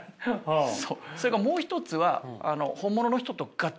それからもう一つはえ！